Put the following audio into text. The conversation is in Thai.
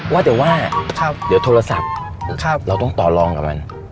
ว่าแต่ว่าเดี๋ยวโทรศัพท์เราต้องต่อรองกับมัน